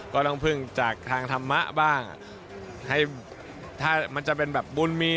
ก็ต้องพึ่งจากทางธรรมะบ้างให้ถ้ามันจะเป็นแบบบุญมี